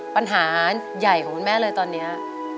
ปัญหาใหญ่ของคุณแม่เลยตอนนี้